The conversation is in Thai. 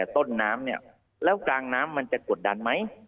ต้นน้ำเนี่ยแล้วกลางน้ำมันจะกดดันไหม